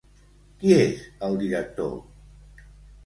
Qui és el director?